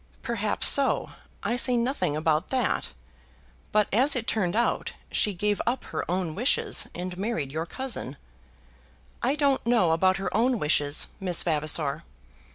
"Perhaps so; I say nothing about that. But as it turned out, she gave up her own wishes and married your cousin." "I don't know about her own wishes, Miss Vavasor."